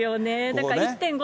だから１．５